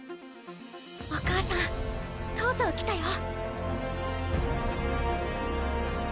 お母さんとうとう来たよ。